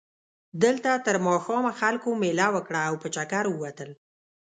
دلته تر ماښامه خلکو مېله وکړه او په چکر ووتل.